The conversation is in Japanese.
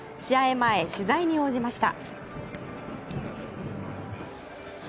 前、取材に応じました。